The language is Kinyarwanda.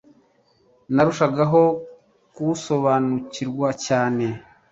narushagaho kuwusobanukirwa cyane .